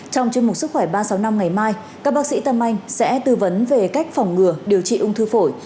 trong chương mục sức khỏe ba trăm sáu mươi năm ngày mai các bác sĩ tâm anh sẽ tư vấn về cách phòng ngừa điều trị ung thư phổi